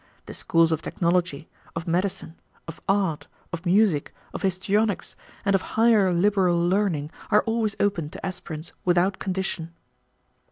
The schools of technology, of medicine, of art, of music, of histrionics, and of higher liberal learning are always open to aspirants without condition."